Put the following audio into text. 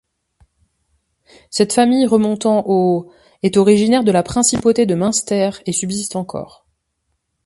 Cette famille remontant au est originaire de la principauté de Münster et subsiste encore.